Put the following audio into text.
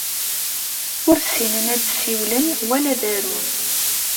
Ur ssinen ad ssiwlen wala ad arun.